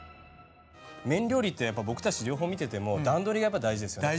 麺料理って僕たち両方見てても段取りがやっぱり大事ですよね。